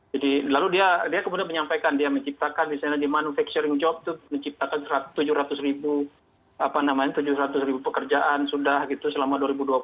jadi lalu dia kemudian menyampaikan dia menciptakan disana di manufacturing job menciptakan tujuh ratus ribu pekerjaan sudah gitu selama dua ribu dua puluh